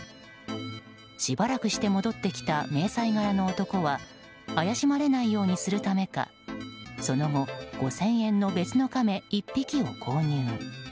しばらくして戻ってきた迷彩柄の男は怪しまれないようにするためかその後、５０００円の別のカメ１匹を購入。